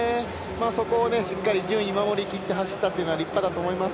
そこをしっかり順位を守りきって走ったというのは立派だと思います。